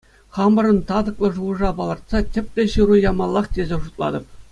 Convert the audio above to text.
Хамӑрӑн татӑклӑ шухӑша палӑртса тӗплӗ Ҫыру ямаллах тесе шутлатӑп.